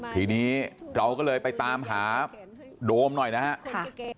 ทีนี้เราก็เลยไปตามหาโดมหน่อยนะครับ